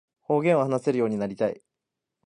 方言を話せるようになりたい